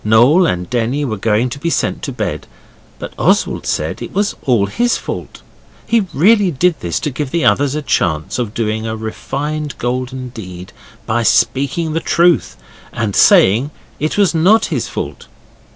Noel and Denny were going to be sent to bed, but Oswald said it was all his fault. He really did this to give the others a chance of doing a refined golden deed by speaking the truth and saying it was not his fault.